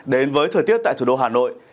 đến với thời tiết tại thủ đô hà nội